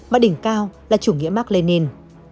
mà đỉnh cao là chủ nghĩa mark lenin